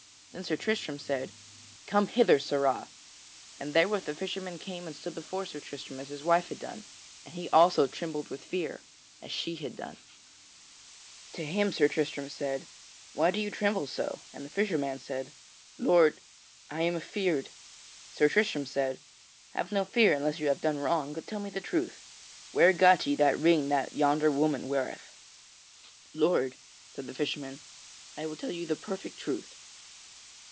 Then Sir Tristram said: "Come hither, Sirrah!" And therewith the fisherman came and stood before Sir Tristram as his wife had done, and he also trembled with fear as she had done. [Sidenote: Sir Tristram questions the fisherman] To him Sir Tristram said, "Why do you tremble so?" And the fisher man said, "Lord, I am afeard!" Sir Tristram said: "Have no fear, unless you have done wrong, but tell me the truth. Where got ye that ring that yonder woman weareth?" "Lord," said the fisherman, "I will tell you the perfect truth.